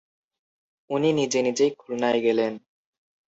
উনি নিজে নিজেই খুলনায় গেলেন।